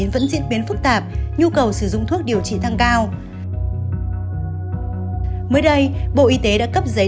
vẫn diễn biến phức tạp nhu cầu sử dụng thuốc điều trị tăng cao mới đây bộ y tế đã cấp giấy